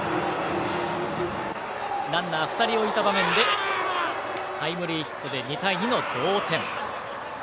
ランナーを２人置いた場面でタイムリーヒットで２対２の同点。